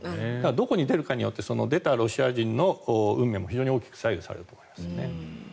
どこに出るかによって出たロシア人の運命も非常に大きく左右されると思いますね。